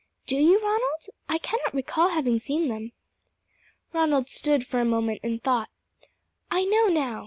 "Do you, Ronald? I cannot recall having seen them." Ronald stood for a moment in thought. "I know now!"